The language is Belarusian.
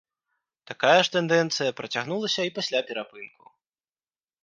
Такая ж тэндэнцыя працягнулася і пасля перапынку.